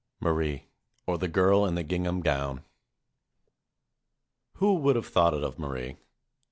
MARIE; OR, THE GIRL IN THE GINGHAM GOWN Who would have thought it of Marie